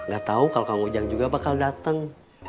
gak tau kalau kang ujang juga bakal datang